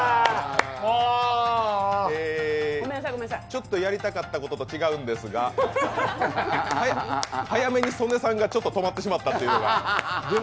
ちょっとやりたかったことと違うんですが早めに曽根さんが止まってしまったということが。